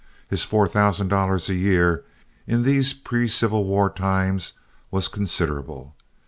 His four thousand dollars a year in these pre Civil War times was considerable.